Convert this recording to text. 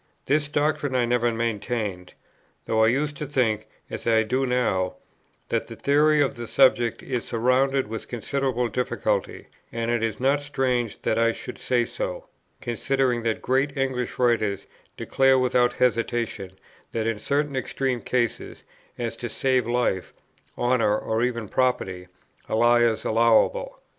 This doctrine I never maintained, though I used to think, as I do now, that the theory of the subject is surrounded with considerable difficulty; and it is not strange that I should say so, considering that great English writers declare without hesitation that in certain extreme cases, as to save life, honour, or even property, a lie is allowable.